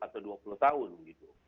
dua puluh tahun gitu